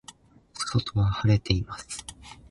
外は晴れています。